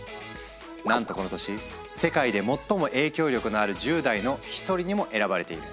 なんとこの年「世界で最も影響力のある１０代」の一人にも選ばれている。